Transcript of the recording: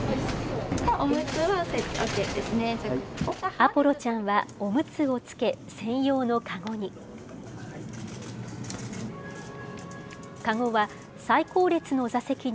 アポロちゃんは、おむつをつけ、専用のかごに。